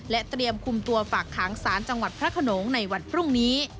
เตรียมคุมตัวฝากขังสารจังหวัดพระขนงในวันพรุ่งนี้